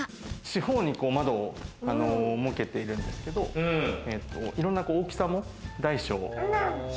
四方に窓を設けているんですけど、いろんな大きさも大小。